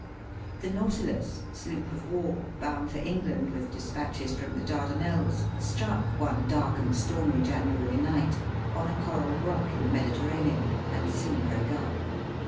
The Nautilus, sloop of war, bound for England with despatches from the Dardan elles, struck, one dark and stormy January night, on a coral rock in the Mediterranean, and soon broke up.